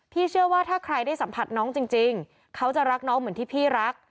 เชื่อว่าถ้าใครได้สัมผัสน้องจริงเขาจะรักน้องเหมือนที่พี่รัก